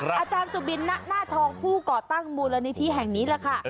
อาจารย์สุบินณหน้าทองผู้ก่อตั้งมูลนิธิแห่งนี้แหละค่ะ